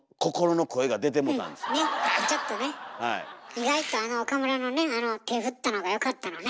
意外とあの岡村のね手振ったのがよかったのね。